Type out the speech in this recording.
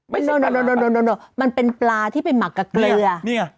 ไม่ใช่ปลาร้ามันเป็นปลาที่ไปหมักกับเกลือ